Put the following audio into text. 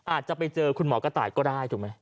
อาจจะไปเจอคุณหมอกระต่ายก็ได้ถูกไหม